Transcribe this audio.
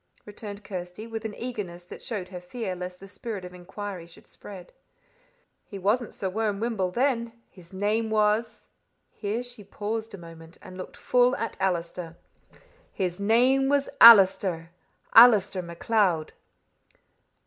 returned Kirsty, with an eagerness that showed her fear lest the spirit of inquiry should spread. "He wasn't Sir Worm Wymble then. His name was " Here she paused a moment, and looked full at Allister. "His name was Allister Allister MacLeod."